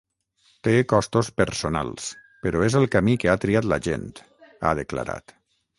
Té costos personals, però és el camí que ha triat la gent, ha declarat.